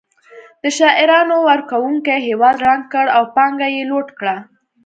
د شعارونو ورکونکو هېواد ړنګ کړ او پانګه یې لوټ کړه